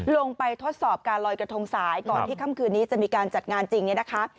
ทดสอบการลอยกระทงสายก่อนที่ค่ำคืนนี้จะมีการจัดงานจริงเนี่ยนะคะ